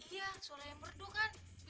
iya suraya merdu kan